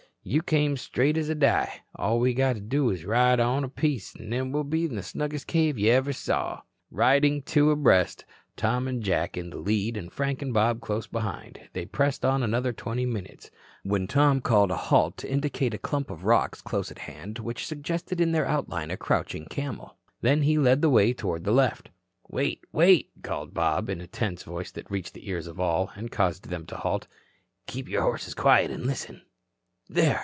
"You come straight as a die. All we got to do is to ride on a piece an' we'll be in the snuggest cave ever you see." Riding two abreast, Tom and Jack in the lead and Frank and Bob close behind, they pressed on another twenty minutes when Tom called a halt to indicate a clump of rocks close at hand which suggested in their outline a crouching camel. Then he led the way toward the left. "Wait, wait," called Bob, in a tense voice that reached the ears of all, and caused them to halt. "Keep your horses quiet and listen. There.